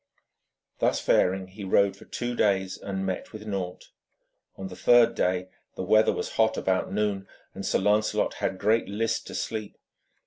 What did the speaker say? Thus faring, he rode for two days and met with naught. On the third day the weather was hot about noon, and Sir Lancelot had great list to sleep.